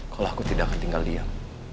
kalau aku tidak akan tinggal diam